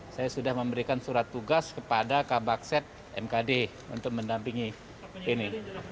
saya sudah memberikan surat tugas kepada kabakset mkd untuk mendampingi ini